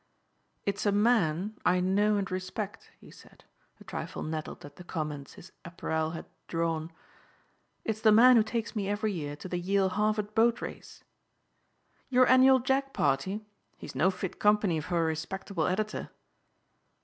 "It's a man I know and respect," he said, a trifle nettled at the comments his apparel had drawn. "It's the man who takes me every year to the Yale Harvard boat race." "Your annual jag party? He's no fit company for a respectable editor."